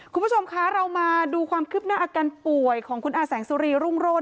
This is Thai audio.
คุณผู้ชมคะเรามาดูความคืบหน้าอาการป่วยของคุณอาแสงสุรีรุ่งโรศ